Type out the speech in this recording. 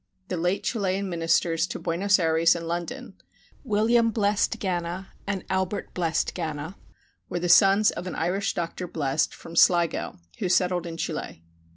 The late Chilian ministers to Buenos Ayres and London, William Blest Gana and Albert Blest Gana, were the sons of an Irish Doctor Blest from Sligo, who settled in Chile.